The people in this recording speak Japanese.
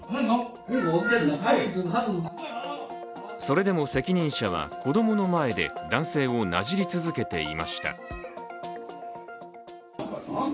それでも責任者は子供の前で男性をなじり続けていました。